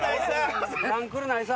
なんくるないさ。